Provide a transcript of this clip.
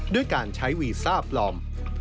ด้วยการใช้วีซ่าปลอม